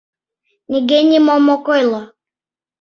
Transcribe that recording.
Нигӧ нимом ок ойло.